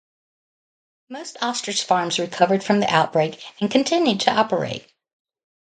Most ostrich farms recovered from the outbreak and continued to operate.